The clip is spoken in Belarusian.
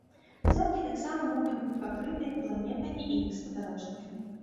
Зоркі таксама могуць быць пакрытыя планетамі і іх спадарожнікамі.